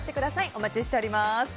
お待ちしております。